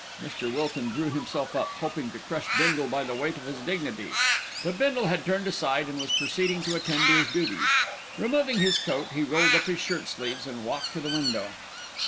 Mr. Wilton drew himself up, hoping to crush Bindle by the weight of his dignity; but Bindle had turned aside and was proceeding to attend to his duties. Removing his coat he rolled up his shirt sleeves and walked to the window.